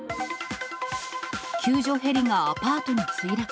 救助ヘリがアパートに墜落。